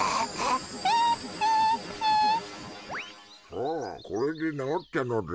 おおこれでなおったのだ。